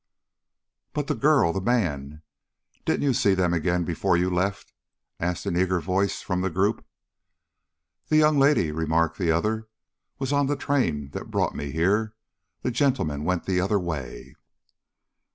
"But the girl the man didn't you see them again before you left?" asked an eager voice from the group. "The young lady," remarked the other, "was on the train that brought me here. The gentleman went the other way."